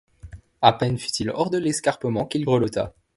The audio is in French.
À peine fut-il hors de l’escarpement qu’il grelotta.